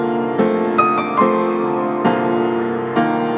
aku gak dengerin kata kata kamu mas